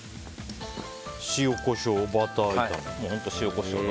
塩、コショウバター炒め。